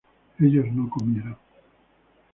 ellos no comieran